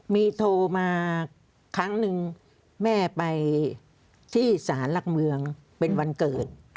มีโทรมาครั้งหนึ่งแม่ไปที่สารหลักเมืองเป็นวันเกิด